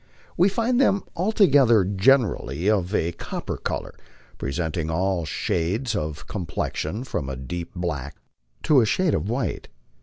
We find them, although generally of a copper color, presenting all shades of complexion from a deep black to a shade of white.